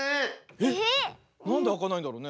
えっなんであかないんだろうね？